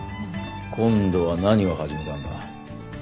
今度は何を始めたんだ？